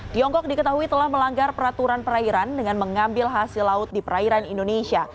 tiongkok diketahui telah melanggar peraturan perairan dengan mengambil hasil laut di perairan indonesia